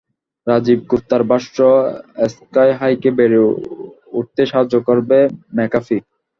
রাজীব গুপ্তার ভাষ্য, স্কাইহাইকে বেড়ে উঠতে সাহায্য করবে ম্যাকাফি।